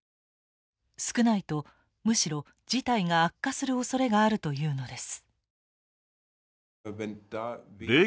少ないとむしろ事態が悪化するおそれがあるというのです。